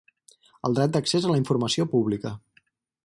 El dret d'accés a la informació pública.